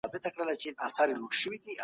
اقتصادي تعاون د ټولني هر فرد ته ګټه رسوي.